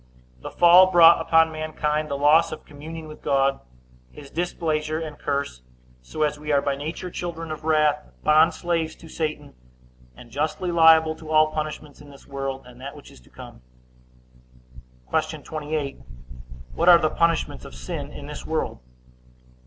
The fall brought upon mankind the loss of communion with God, his displeasure and curse; so as we are by nature children of wrath, bond slaves to Satan, and justly liable to all punishments in this world, and that which is to come. Q. 28. What are the punishments of sin in this world?